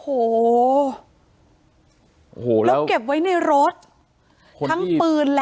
โอ้โหรถเก็บไว้ในรถทั้งปืนและรถกระบอกนะครับ